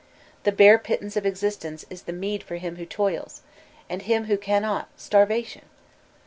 The bare of existence is the meed for him who toils, and for him who cannot — starvation